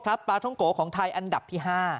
ปลาท่องโกของไทยอันดับที่๕